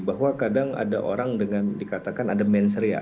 bahwa kadang ada orang dengan dikatakan ada menseria